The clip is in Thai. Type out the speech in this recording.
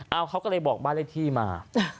เอาเขาก็เลยบอกบ้านเลขที่มา